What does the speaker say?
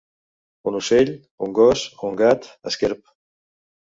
Un ocell, un gos, un gat, esquerp.